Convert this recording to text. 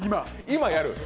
今やる？